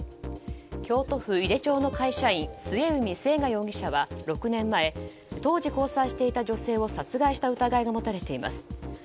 京都府井手町の会社員末海征河容疑者は６年前、当時交際していた女性を殺害した疑いが持たれています。